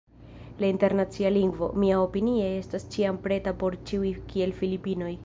La Internacia Lingvo, miaopinie estas ĉiam preta por ĉiuj, kiel Filipinoj.